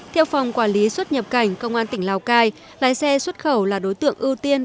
theo phòng quản lý xuất nhập cảnh công an tỉnh lào cai lái xe xuất khẩu là đối tượng ưu tiên